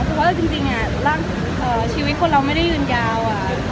เพราะว่าจริงอ่ะร่างชีวิตคนเราไม่ได้ยืนยาวอ่ะ